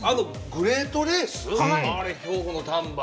「グレートレース」兵庫の丹波。